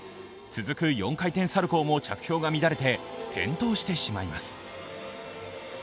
続く４回転サルコウも着氷が乱れて転倒してしまいます。